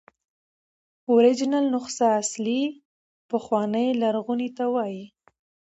اوریجنل نسخه اصلي، پخوانۍ، لرغوني ته وایي.